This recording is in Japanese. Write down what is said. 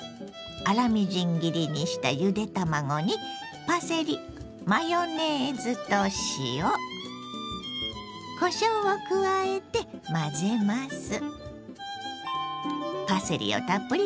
粗みじん切りにしたゆで卵にパセリマヨネーズと塩こしょうを加えて混ぜます。